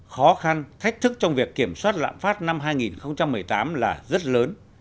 khó khăn thách thức trong việc kiểm soát lạm phát năm hai nghìn một mươi tám là rất lớn